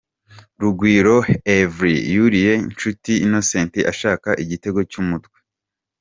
Rugwiro Herve yuriye Nshuti Innocent ashaka igitego cy'umutwe.